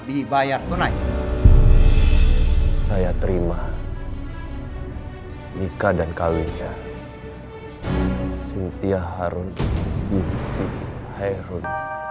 dibayar tunai saya terima nikah dan kawinnya cynthia harun binti heron